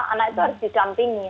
anak itu harus didampingi